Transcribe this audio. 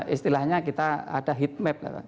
istilahnya kita ada heat map